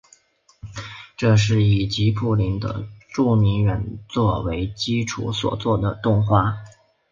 这是以吉卜林的著名原作为基础所做的动画。